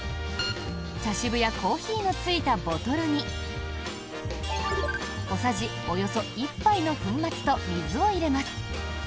茶渋やコーヒーのついたボトルに小さじ、およそ１杯の粉末と水を入れます。